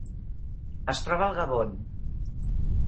Es troba al Gabon.